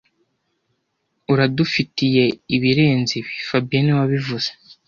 Uradufitiye ibirenze ibi fabien niwe wabivuze